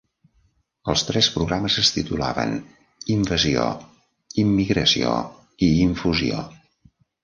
Els tres programes es titulaven: "Invasió", "Immigració" i "Infusió".